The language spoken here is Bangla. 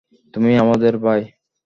তুমি আমাদের ভাই।